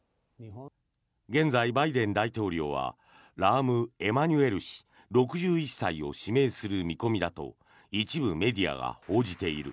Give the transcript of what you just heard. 現在、バイデン大統領はラーム・エマニュエル氏６１歳を指名する見込みだと一部メディアが報じている。